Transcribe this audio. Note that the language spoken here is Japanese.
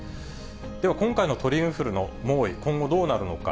では、今回の鳥インフルの猛威、今後どうなるのか。